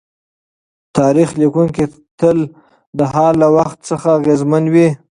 تاریخ لیکونکی تل د حال له وخت څخه اغېزمن وي.